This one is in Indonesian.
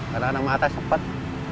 karena mata sepet